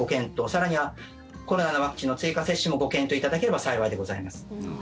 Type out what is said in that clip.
更にはコロナのワクチンの追加接種もご検討いただければ幸いでございます。